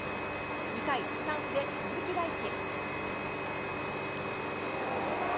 ２回、チャンスで鈴木大地。